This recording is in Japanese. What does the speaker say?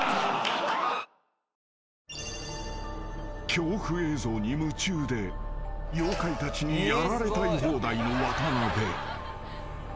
［恐怖映像に夢中で妖怪たちにやられたい放題の渡邉］